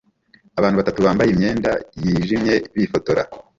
Abantu batatu bambaye imyenda yijimye bifotora